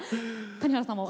谷原さんは？